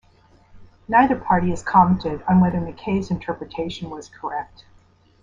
Neither party has commented on whether McCay's interpretation was correct.